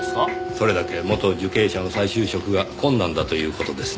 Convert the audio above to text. それだけ元受刑者の再就職が困難だという事ですねぇ。